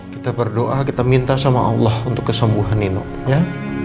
kita berdoa kita minta sama allah untuk kesembuhan nino ya